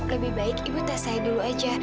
lebih baik ibu tak saya dulu aja